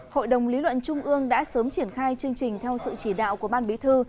hội đồng lý luận trung ương đã sớm triển khai chương trình theo sự chỉ đạo của ban bí thư